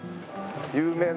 有名な。